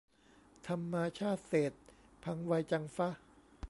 ทำมาชาติเศษ พังไวจังฟะ